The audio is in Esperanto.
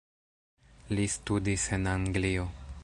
Li studis en Anglio.